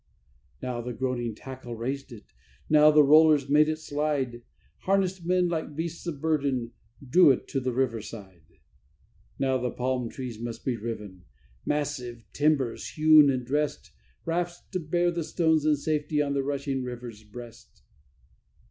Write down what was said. Now the groaning tackle raised it; now the rollers made it slide; Harnessed men, like beasts of burden, drew it to the river side. Now the palm trees must be riven, massive timbers hewn and dressed; Rafts to bear the stones in safety on the rushing river's breast.